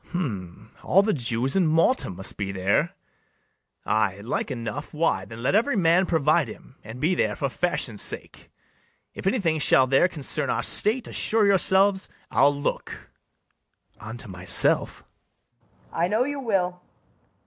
BARABAS. Hum, all the Jews in Malta must be there! Ay, like enough: why, then, let every man Provide him, and be there for fashion sake. If any thing shall there concern our state, Assure yourselves I'll look unto myself. [Aside.] FIRST JEW. I know you will.